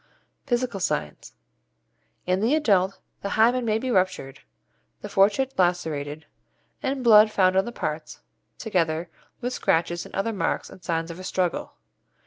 Physical Signs. In the adult the hymen may be ruptured, the fourchette lacerated, and blood found on the parts, together with scratches and other marks and signs of a struggle.